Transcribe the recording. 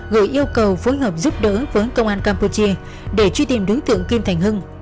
gửi yêu cầu phối hợp giúp đỡ với công an campuchia để truy tìm đối tượng kim thành hưng